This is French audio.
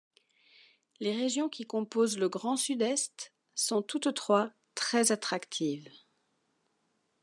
Les régions qui composent le Grand Sud-Est sont toutes trois très attractives.